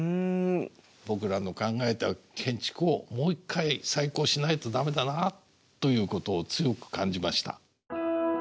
僕らの考えた建築をもう一回再考しないと駄目だなということを強く感じました。